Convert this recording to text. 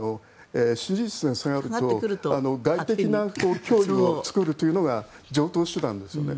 支持率が下がると外的な脅威を作るというのが常とう手段ですよね。